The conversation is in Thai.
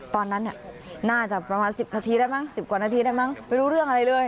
ตอนนั้นน่าจะประมาณ๑๐นาทีได้มั้ง๑๐กว่านาทีได้มั้งไม่รู้เรื่องอะไรเลย